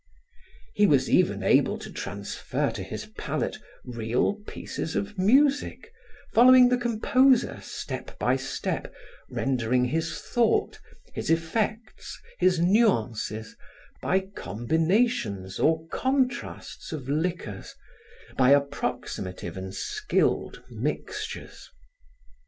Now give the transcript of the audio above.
He was even able to transfer to his palate real pieces of music, following the composer step by step, rendering his thought, his effects, his nuances, by combinations or contrasts of liquors, by approximative and skilled mixtures.